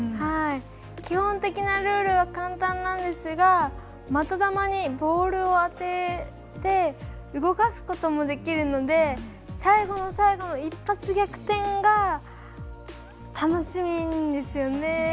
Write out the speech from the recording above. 基本的なルールは簡単なんですが的球にボールを当てて動かすこともできるので最後の最後の１発逆転が楽しいんですよね。